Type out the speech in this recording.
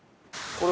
これ。